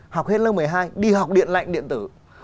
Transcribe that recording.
học hết lớp một mươi hai đi học điện lạnh điện tử